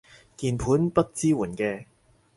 鍵盤不支援嘅